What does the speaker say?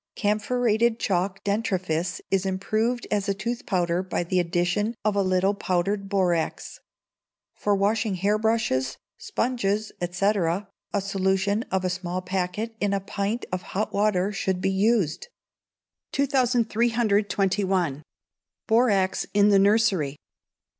Camphorated chalk dentrifice is improved as a tooth powder by the addition of a little powdered borax. For washing hair brushes, sponges, etc., a solution of a small packet in a pint of hot water should be used. 2321. Borax in the Nursery.